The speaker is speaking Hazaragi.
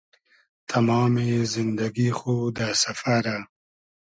تئمامی زیندئگی خو دۂ سئفئرۂ